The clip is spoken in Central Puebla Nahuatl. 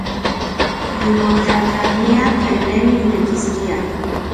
Nimotlajtlania tlen ne niknekiskia.